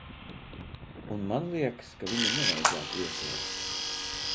Un man liekas, ka viņu nevajadzētu ieslēgt!